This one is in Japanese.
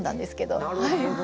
あなるほど。